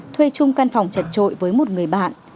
thuê chung căn phòng chật trội với một người bạn